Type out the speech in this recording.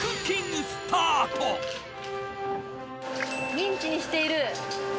ミンチにしている。